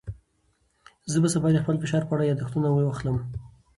زه به سبا د خپل فشار په اړه یاداښتونه واخلم.